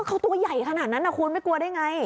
เขาตัวใหญ่ขนาดนั้นนะคุณไม่กลัวได้ไง